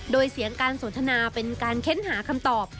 โดยเสียงการสนทนาเป็นการเค้นหาคำตอบ